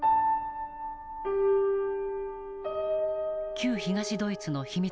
旧東ドイツの秘密